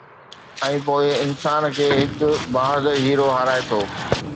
۽ پوءِ انسان کي هڪ بهادر هيرو هارائي ٿو